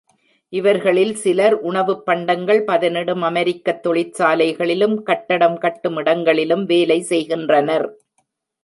இவர்களில் சிலர் உணவுப் பண்டங்கள் பதனிடும் அமெரிக்கத் தொழிற்சாலைகளிலும், கட்டடம் கட்டும் இடங்களிலும் வேலை செய்கின்றனர்.